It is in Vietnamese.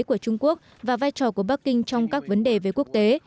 của trung quốc và vai trò của bắc kinh trong các vấn đề về quốc tế